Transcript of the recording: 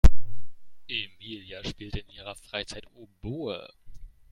Emilia spielt in ihrer Freizeit Oboe.